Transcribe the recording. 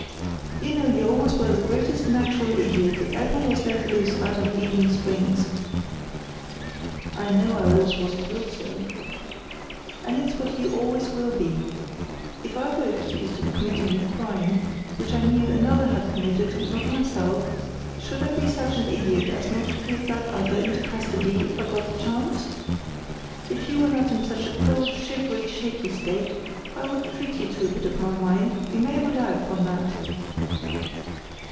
"You know you always were the greatest natural idiot that ever was let loose out of leading strings." "I know I always was told so." "And it's what you always will be. If I were accused of committing a crime, which I knew another had committed and not myself, should I be such an idiot as not to give that other into custody if I got the chance? If you were not in such a cold, shivery, shaky state, I would treat you to a bit of my mind, you may rely upon that."